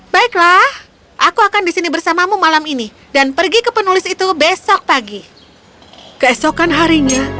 baiklah aku akan disini bersamamu malam ini dan pergi ke penulis itu besok pagi keesokan harinya